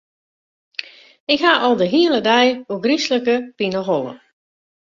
Ik ha al de hiele dei ôfgryslike pineholle.